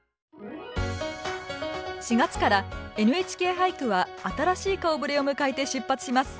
４月から「ＮＨＫ俳句」は新しい顔ぶれを迎えて出発します。